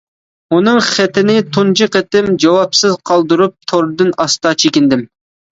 ئۇنىڭ خېتىنى تۇنجى قېتىم جاۋابسىز قالدۇرۇپ توردىن ئاستا چېكىندىم.